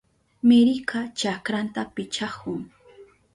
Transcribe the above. Meryka chakranta pichahun.